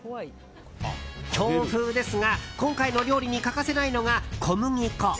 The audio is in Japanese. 強風ですが、今回の料理に欠かせないのが小麦粉。